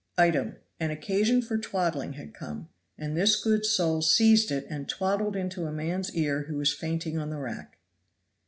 Item. An occasion for twaddling had come, and this good soul seized it and twaddled into a man's ear who was fainting on the rack.